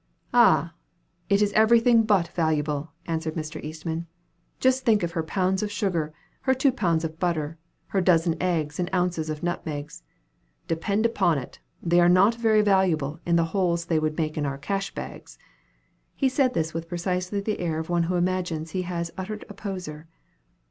"Ah! it is every thing but valuable," answered Mr. Eastman. "Just think of her pounds of sugar, her two pounds of butter, her dozen eggs, and ounces of nutmegs. Depend upon it, they are not very valuable in the holes they would make in our cash bags." He said this with precisely the air of one who imagines he has uttered a poser.